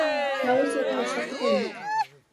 Gauez ere ausartuko dira.